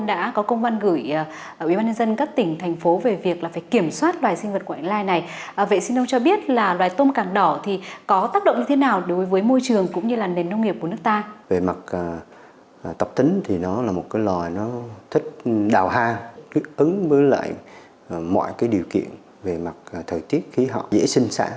tập tính thì nó là một loài thích đào ha thích ứng với lại mọi điều kiện về mặt thời tiết khí hậu dễ sinh sản